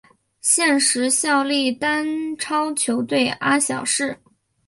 现时效力丹超球队阿晓士。